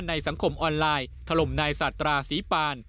ในสังคมออนไลน์ถล่มนายสาธาศรีปาน